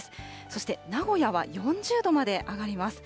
そして名古屋は４０度まで上がります。